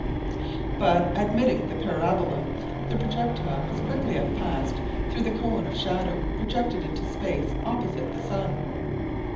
But admitting the parabola, the projectile must quickly have passed through the cone of shadow projected into space opposite the sun.